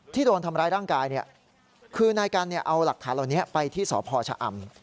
ที่โดนทำร้ายร่างกายเนี่ยคือในการเนี่ยเอารักฐานเหล่านี้ไปที่สภชอำ